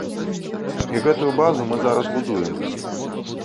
І гэтую базу мы зараз будуем.